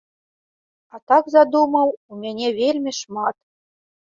А так задумаў у мяне вельмі шмат.